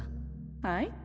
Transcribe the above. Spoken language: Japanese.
はい？